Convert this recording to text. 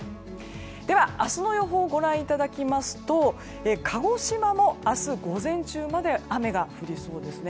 では、明日の予報をご覧いただきますと鹿児島も明日午前中まで雨が降りそうですね。